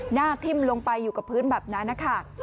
ทิ้มลงไปอยู่กับพื้นแบบนั้นนะคะ